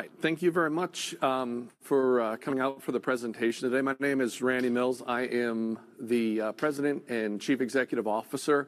All right, thank you very much for coming out for the presentation today. My name is Randal Mills. I am the President and Chief Executive Officer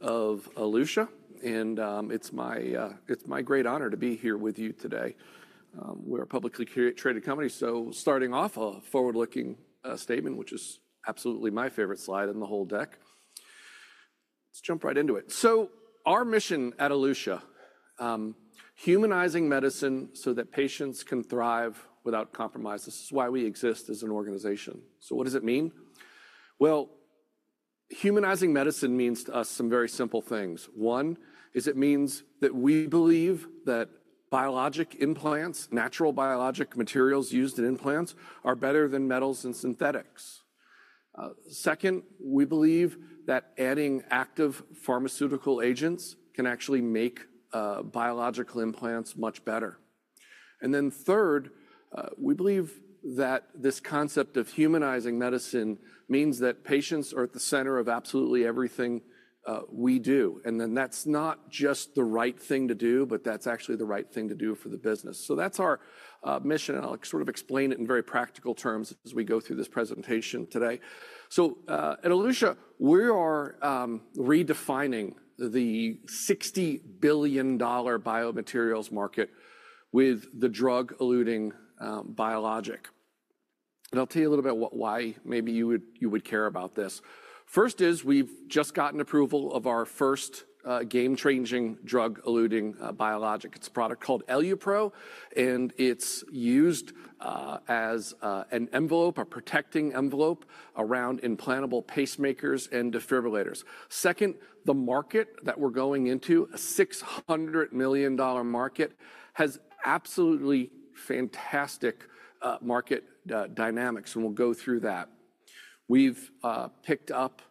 of Elutia, and it's my great honor to be here with you today. We're a publicly traded company, so starting off a forward-looking statement, which is absolutely my favorite slide in the whole deck. Let's jump right into it. Our mission at Elutia: humanizing medicine so that patients can thrive without compromise. This is why we exist as an organization. What does it mean? Humanizing medicine means to us some very simple things. One, it means that we believe that biologic implants, natural biologic materials used in implants, are better than metals and synthetics. Second, we believe that adding active pharmaceutical agents can actually make biological implants much better. Third, we believe that this concept of humanizing medicine means that patients are at the center of absolutely everything we do. That is not just the right thing to do, but that is actually the right thing to do for the business. That is our mission, and I will sort of explain it in very practical terms as we go through this presentation today. At Elutia, we are redefining the $60 billion biomaterials market with the drug-eluting biologic. I will tell you a little bit about why maybe you would care about this. First is we have just gotten approval of our first game-changing drug-eluting biologic. It is a product called EluPro, and it is used as an envelope, a protecting envelope around implantable pacemakers and defibrillators. Second, the market that we're going into, a $600 million market, has absolutely fantastic market dynamics, and we'll go through that. We've picked up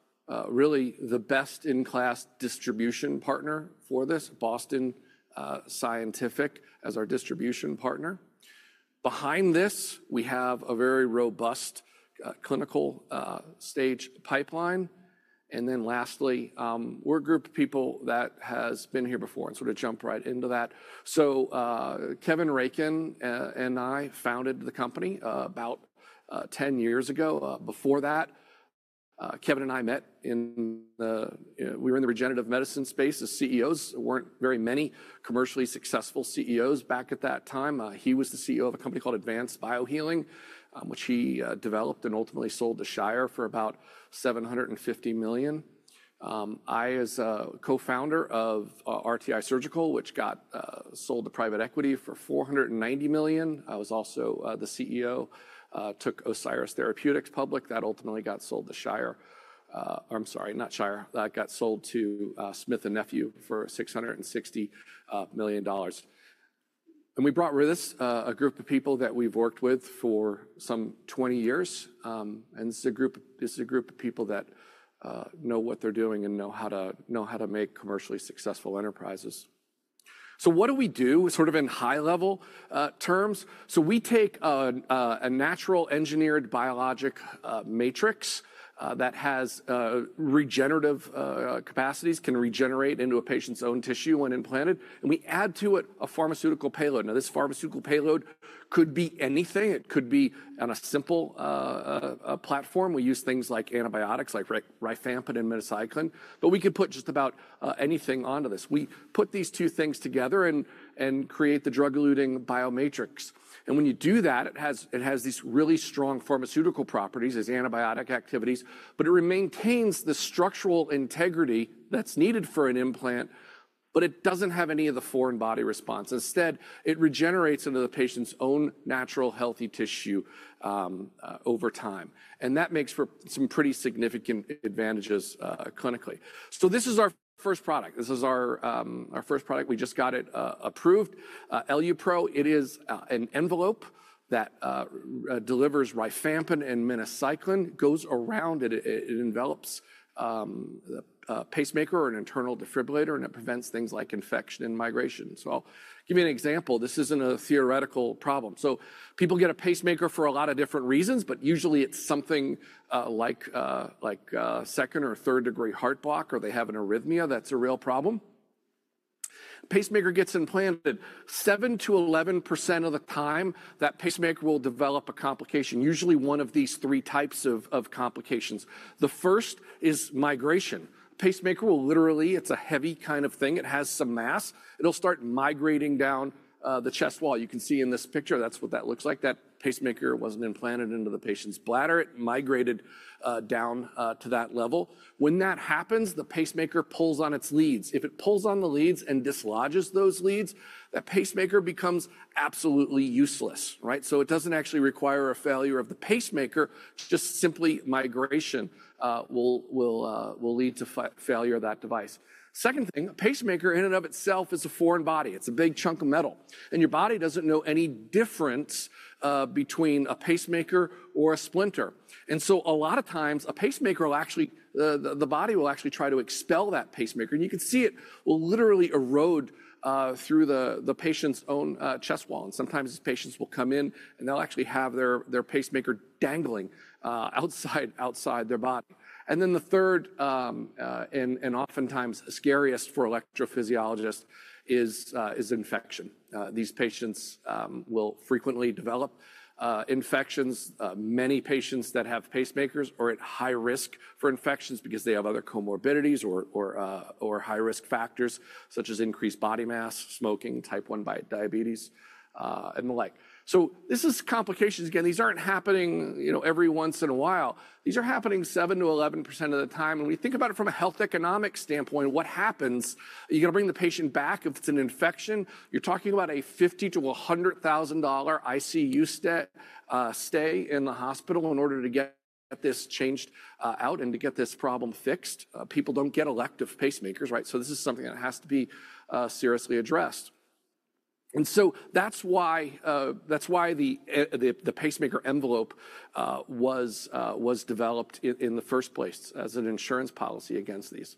really the best in class distribution partner for this, Boston Scientific, as our distribution partner. Behind this, we have a very robust clinical stage pipeline. Lastly, we're a group of people that has been here before, and sort of jump right into that. Kevin Rakin and I founded the company about 10 years ago. Before that, Kevin and I met in the, we were in the regenerative medicine space as CEOs. There weren't very many commercially successful CEOs back at that time. He was the CEO of a company called Advanced BioHealing, which he developed and ultimately sold to Shire for about $750 million. I was a co-founder of RTI Surgical, which got sold to private equity for $490 million. I was also the CEO, took Osiris Therapeutics public. That ultimately got sold to, I'm sorry, not Shire. That got sold to Smith & Nephew for $660 million. We brought with us a group of people that we've worked with for some 20 years. It's a group of people that know what they're doing and know how to make commercially successful enterprises. What do we do in high-level terms? We take a natural engineered biologic matrix that has regenerative capacities, can regenerate into a patient's own tissue when implanted, and we add to it a pharmaceutical payload. This pharmaceutical payload could be anything. It could be on a simple platform. We use things like antibiotics like rifampin and minocycline, but we could put just about anything onto this. We put these two things together and create the drug eluting biomatrix. When you do that, it has these really strong pharmaceutical properties as antibiotic activities, but it maintains the structural integrity that's needed for an implant, but it doesn't have any of the foreign body response. Instead, it regenerates into the patient's own natural healthy tissue over time. That makes for some pretty significant advantages, clinically. This is our first product. This is our first product. We just got it approved. EluPro, it is an envelope that delivers rifampin and minocycline, goes around it, it envelops the pacemaker or an internal defibrillator, and it prevents things like infection and migration. I'll give you an example. This isn't a theoretical problem. People get a pacemaker for a lot of different reasons, but usually it's something like second or third degree heart block, or they have an arrhythmia. That's a real problem. Pacemaker gets implanted 7%-11% of the time. That pacemaker will develop a complication, usually one of these three types of complications. The first is migration. Pacemaker will literally, it's a heavy kind of thing. It has some mass. It'll start migrating down the chest wall. You can see in this picture, that's what that looks like. That pacemaker wasn't implanted into the patient's bladder. It migrated down to that level. When that happens, the pacemaker pulls on its leads. If it pulls on the leads and dislodges those leads, that pacemaker becomes absolutely useless, right? It doesn't actually require a failure of the pacemaker. Just simply migration will lead to failure of that device. Second thing, a pacemaker in and of itself is a foreign body. It's a big chunk of metal, and your body doesn't know any difference between a pacemaker or a splinter. A lot of times a pacemaker will actually, the body will actually try to expel that pacemaker, and you can see it will literally erode through the patient's own chest wall. Sometimes patients will come in and they'll actually have their pacemaker dangling outside their body. The third, and oftentimes scariest for electrophysiologists, is infection. These patients will frequently develop infections. Many patients that have pacemakers are at high risk for infections because they have other comorbidities or high risk factors such as increased body mass, smoking, type one diabetes, and the like. This is complications. Again, these aren't happening, you know, every once in a while. These are happening 7%-11% of the time. And when we think about it from a health economic standpoint, what happens, you're gonna bring the patient back if it's an infection. You're talking about a $50,000-$100,000 ICU stay, stay in the hospital in order to get this changed, out and to get this problem fixed. People don't get elective pacemakers, right? This is something that has to be, seriously addressed. That's why, that's why the, the pacemaker envelope, was, was developed in, in the first place as an insurance policy against these.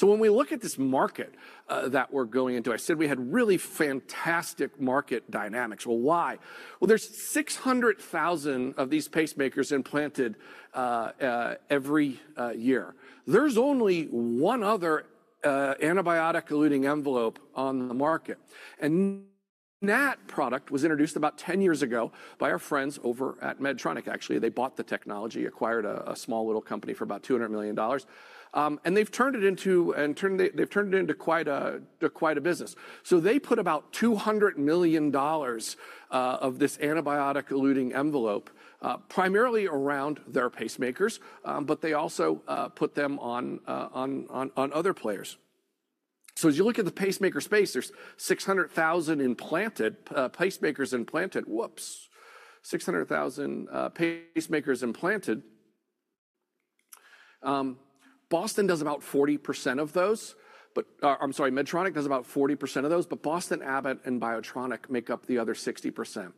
When we look at this market, that we're going into, I said we had really fantastic market dynamics. Why? There's 600,000 of these pacemakers implanted, every, year. There's only one other antibiotic eluting envelope on the market. That product was introduced about 10 years ago by our friends over at Medtronic. Actually, they bought the technology, acquired a small little company for about $200 million. They've turned it into quite a business. They put about $200 million into this antibiotic eluting envelope, primarily around their pacemakers. They also put them on other players. As you look at the pacemaker space, there's 600,000 pacemakers implanted. Whoops. 600,000 pacemakers implanted. Medtronic does about 40% of those, but Boston Scientific, Abbott, and Biotronik make up the other 60%.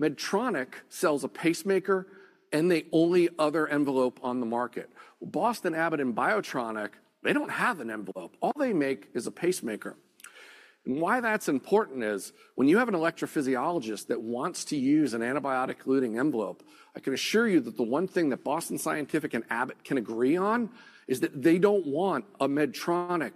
Medtronic sells a pacemaker and the only other envelope on the market. Boston Scientific, Abbott, and Biotronik, they don't have an envelope. All they make is a pacemaker. Why that's important is when you have an electrophysiologist that wants to use an antibiotic eluting envelope, I can assure you that the one thing that Boston Scientific and Abbott can agree on is that they don't want a Medtronic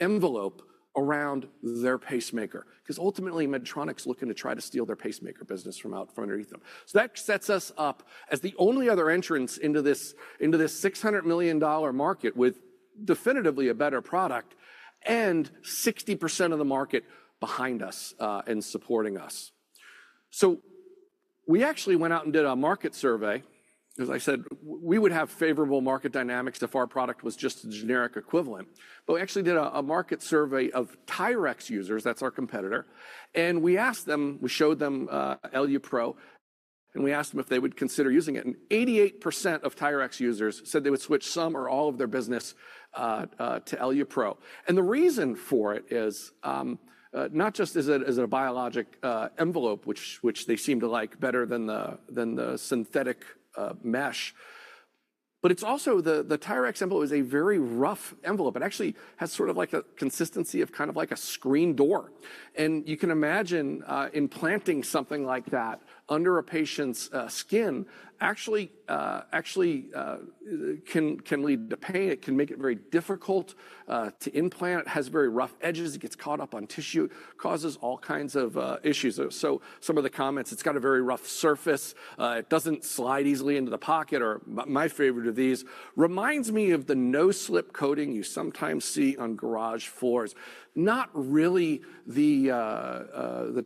envelope around their pacemaker. 'Cause ultimately Medtronic's looking to try to steal their pacemaker business from out from underneath them. That sets us up as the only other entrance into this $600 million market with definitively a better product and 60% of the market behind us, and supporting us. We actually went out and did a market survey. As I said, we would have favorable market dynamics if our product was just a generic equivalent, but we actually did a market survey of TYRX users. That's our competitor. We asked them, we showed them EluPro, and we asked them if they would consider using it. Eighty-eight percent of TYRX users said they would switch some or all of their business to EluPro. The reason for it is, not just is it a biologic envelope, which they seem to like better than the synthetic mesh, but it's also the TYRX envelope is a very rough envelope. It actually has sort of like a consistency of kind of like a screen door. You can imagine, implanting something like that under a patient's skin actually can lead to pain. It can make it very difficult to implant. It has very rough edges. It gets caught up on tissue, causes all kinds of issues. Some of the comments, it's got a very rough surface. It doesn't slide easily into the pocket or, my favorite of these reminds me of the no-slip coating you sometimes see on garage floors. Not really the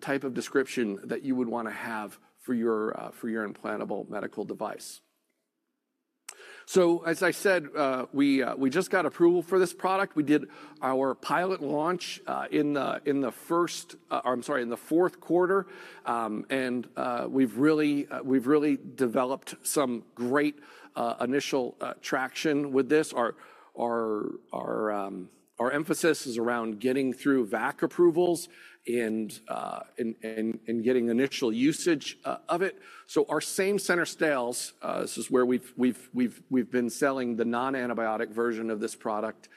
type of description that you would wanna have for your implantable medical device. As I said, we just got approval for this product. We did our pilot launch in the fourth quarter, and we've really developed some great initial traction with this. Our emphasis is around getting through VAC approvals and getting initial usage of it. Our same center sales, this is where we've been selling the non-antibiotic version of this product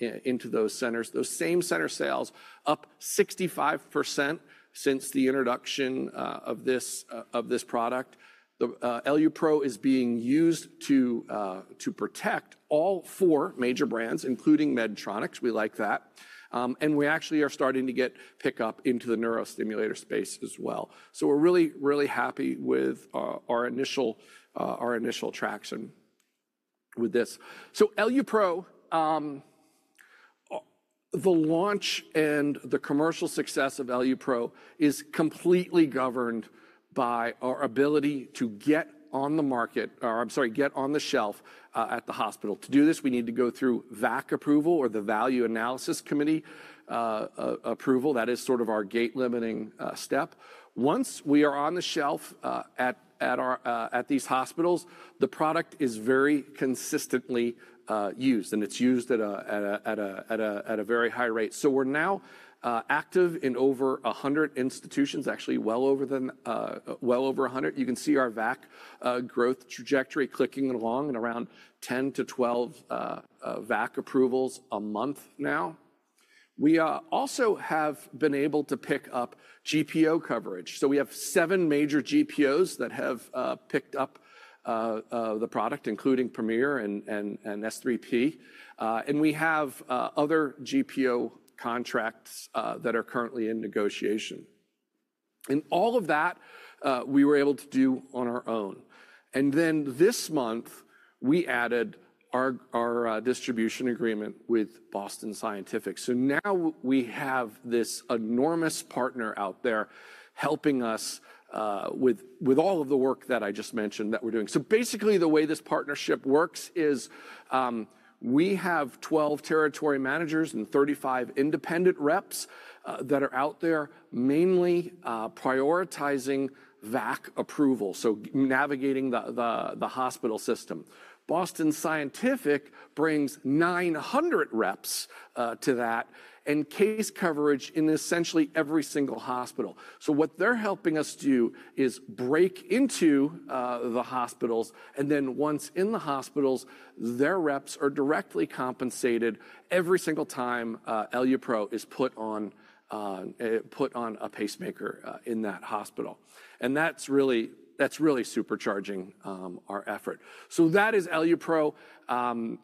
into those centers. Those same center sales are up 65% since the introduction of this product. EluPro is being used to protect all four major brands, including Medtronic. We like that. We actually are starting to get pickup into the neurostimulator space as well. We are really, really happy with our initial traction with this. EluPro, the launch and the commercial success of EluPro is completely governed by our ability to get on the market, or I'm sorry, get on the shelf at the hospital. To do this, we need to go through VAC approval or the Value Analysis Committee approval. That is sort of our gate limiting step. Once we are on the shelf at these hospitals, the product is very consistently used and it's used at a very high rate. We are now active in over 100 institutions, actually well over 100. You can see our VAC growth trajectory clicking along and around 10-12 VAC approvals a month now. We also have been able to pick up GPO coverage. We have seven major GPOs that have picked up the product, including Premier and S3P. We have other GPO contracts that are currently in negotiation. All of that we were able to do on our own. This month we added our distribution agreement with Boston Scientific. Now we have this enormous partner out there helping us with all of the work that I just mentioned that we're doing. Basically the way this partnership works is we have 12 territory managers and 35 independent reps that are out there mainly prioritizing VAC approval, navigating the hospital system. Boston Scientific brings 900 reps to that and case coverage in essentially every single hospital. What they're helping us do is break into the hospitals. Once in the hospitals, their reps are directly compensated every single time EluPro is put on, put on a pacemaker in that hospital. That's really supercharging our effort. That is EluPro.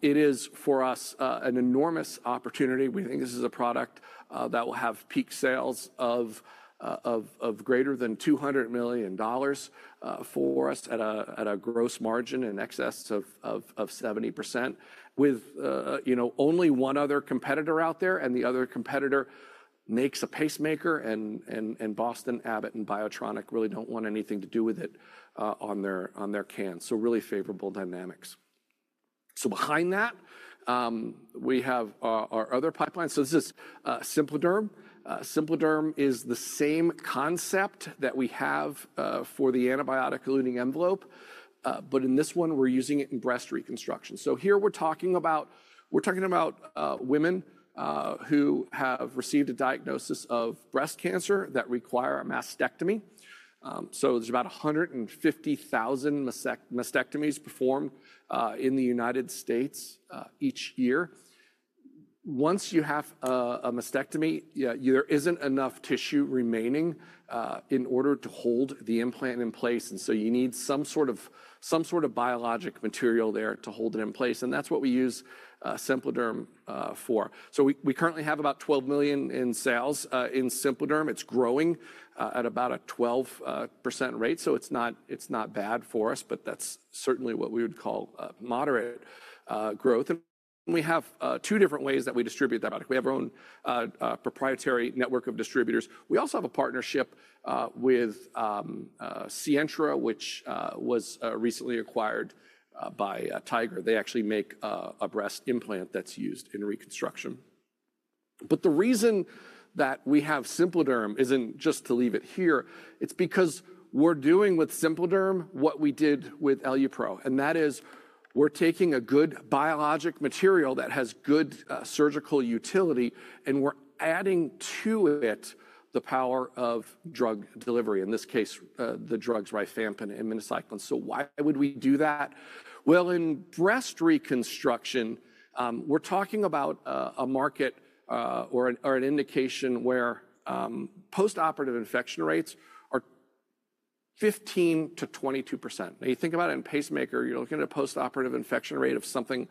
It is for us an enormous opportunity. We think this is a product that will have peak sales of greater than $200 million for us at a gross margin in excess of 70% with, you know, only one other competitor out there. The other competitor makes a pacemaker, and Boston, Abbott, and Biotronik really don't want anything to do with it on their cans. Really favorable dynamics. Behind that, we have our other pipeline. This is SimpliDerm. SimpliDerm is the same concept that we have for the antibiotic eluting envelope, but in this one we're using it in breast reconstruction. Here we're talking about women who have received a diagnosis of breast cancer that require a mastectomy. There are about 150,000 mastectomies performed in the United States each year. Once you have a mastectomy, there isn't enough tissue remaining in order to hold the implant in place. You need some sort of biologic material there to hold it in place. That's what we use SimpliDerm for. We currently have about $12 million in sales in SimpliDerm. It's growing at about a 12% rate. It's not bad for us, but that's certainly what we would call moderate growth. We have two different ways that we distribute that product. We have our own proprietary network of distributors. We also have a partnership with Sientra, which was recently acquired by Tiger. They actually make a breast implant that's used in reconstruction. The reason that we have SimpliDerm isn't just to leave it here. It's because we're doing with SimpliDerm what we did with EluPro. That is, we're taking a good biologic material that has good surgical utility and we're adding to it the power of drug delivery. In this case, the drugs rifampin and minocycline. Why would we do that? In breast reconstruction, we're talking about a market, or an indication where post-operative infection rates are 15%-22%. You think about it in pacemaker, you're looking at a post-operative infection rate of something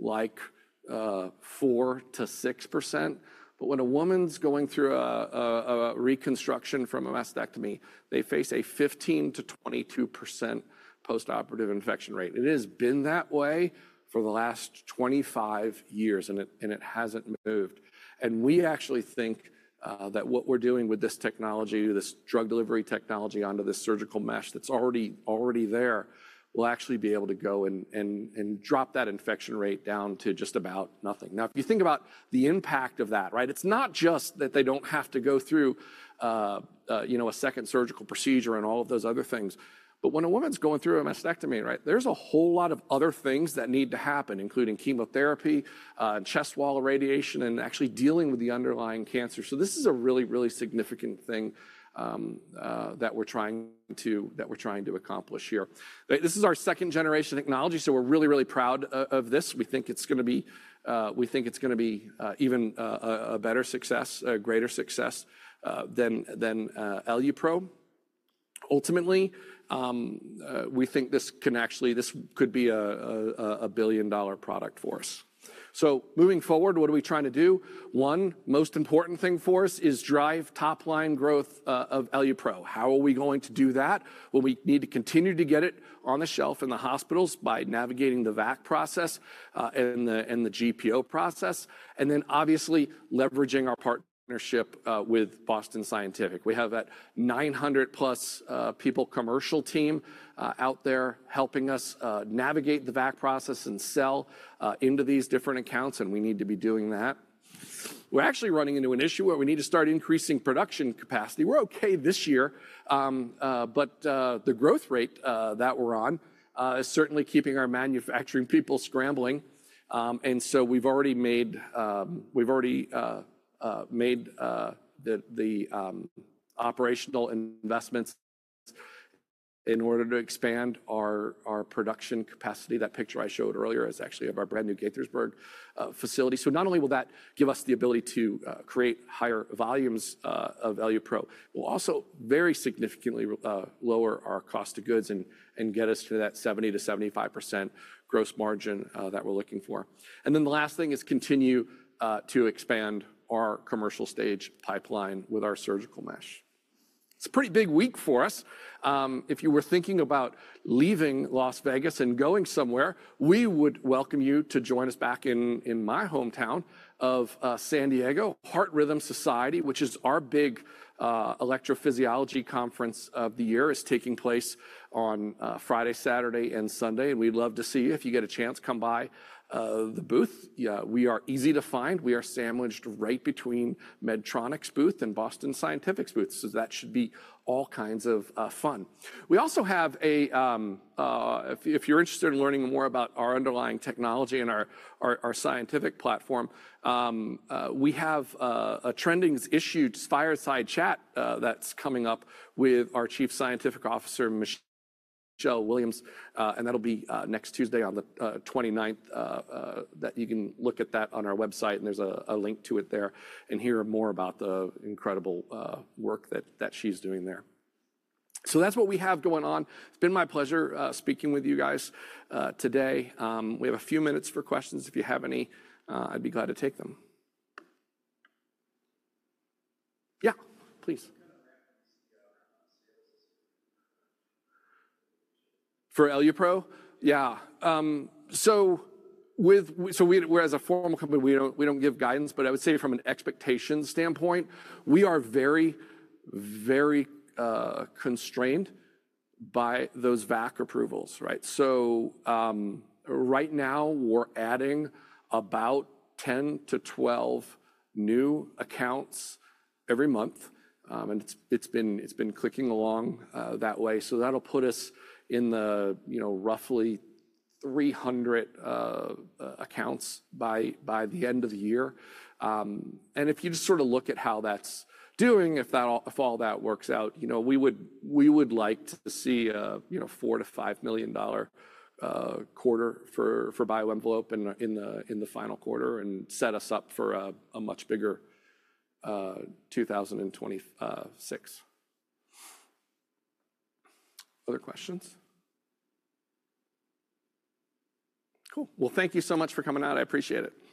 like 4%-6%. When a woman's going through a reconstruction from a mastectomy, they face a 15%-22% post-operative infection rate. It has been that way for the last 25 years and it hasn't moved. We actually think that what we're doing with this technology, this drug delivery technology onto this surgical mesh that's already there, will actually be able to go and drop that infection rate down to just about nothing. Now, if you think about the impact of that, right? It's not just that they don't have to go through, you know, a second surgical procedure and all of those other things, but when a woman's going through a mastectomy, right, there's a whole lot of other things that need to happen, including chemotherapy, and chest wall irradiation and actually dealing with the underlying cancer. This is a really, really significant thing that we're trying to accomplish here. This is our second generation technology. We're really, really proud of this. We think it's gonna be, we think it's gonna be even a better success, a greater success than EluPro. Ultimately, we think this could be a billion dollar product for us. Moving forward, what are we trying to do? One most important thing for us is drive top line growth of EluPro. How are we going to do that? We need to continue to get it on the shelf in the hospitals by navigating the VAC process and the GPO process. Obviously, leveraging our partnership with Boston Scientific. We have that 900 plus people commercial team out there helping us navigate the VAC process and sell into these different accounts. We need to be doing that. We're actually running into an issue where we need to start increasing production capacity. We're okay this year, but the growth rate that we're on is certainly keeping our manufacturing people scrambling. We've already made the operational investments in order to expand our production capacity. That picture I showed earlier is actually of our brand new Gaithersburg facility. Not only will that give us the ability to create higher volumes of EluPro, we'll also very significantly lower our cost of goods and get us to that 70%-75% gross margin that we're looking for. The last thing is continue to expand our commercial stage pipeline with our surgical mesh. It's a pretty big week for us. If you were thinking about leaving Las Vegas and going somewhere, we would welcome you to join us back in, in my hometown of San Diego. Heart Rhythm Society, which is our big electrophysiology conference of the year, is taking place on Friday, Saturday, and Sunday. We would love to see you if you get a chance, come by the booth. We are easy to find. We are sandwiched right between Medtronic's booth and Boston Scientific's booth. That should be all kinds of fun. If you're interested in learning more about our underlying technology and our scientific platform, we have a trending issued fireside chat that's coming up with our Chief Scientific Officer, Michelle Williams. That will be next Tuesday on the 29th, and you can look at that on our website. There is a link to it there and hear more about the incredible work that she's doing there. That is what we have going on. It's been my pleasure speaking with you guys today. We have a few minutes for questions. If you have any, I'd be glad to take them. Yeah, please. For EluPro? Yeah. With, we are, as a formal company, we don't give guidance, but I would say from an expectation standpoint, we are very, very constrained by those VAC approvals, right? Right now we're adding about 10-12 new accounts every month, and it's been clicking along that way. That will put us in the roughly 300 accounts by the end of the year. If you just sort of look at how that's doing, if that all, if all that works out, you know, we would, we would like to see a, you know, $4 million-$5 million quarter for BioEnvelope in the final quarter and set us up for a much bigger 2026. Other questions? Cool. Thank you so much for coming out. I appreciate it.